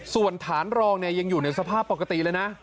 ส่วนฐานรองยังอยู่ในสภาพปกติเลยนะ